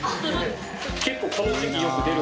結構この時期よく出るんですか？